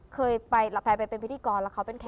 เคยไปแพทย์เป็นพิธีกร